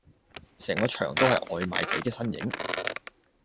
成個場都係外賣仔嘅身影